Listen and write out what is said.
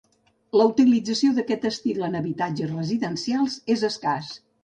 La utilització d'aquest estil en habitatges residencials és escàs.